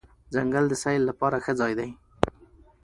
ځنګل د سیل لپاره ښه ځای دی.